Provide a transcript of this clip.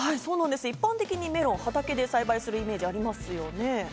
一般的にメロンは畑で栽培するイメージありますよね。